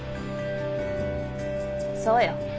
そうよ